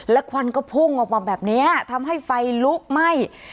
ควันก็พุ่งออกมาแบบนี้ทำให้ไฟลุกไหม้